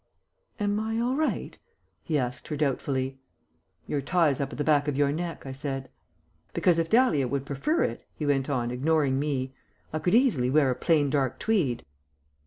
"Am I all right?" he asked her doubtfully. "Your tie's up at the back of your neck," I said. "Because if Dahlia would prefer it," he went on, ignoring me, "I could easily wear a plain dark tweed."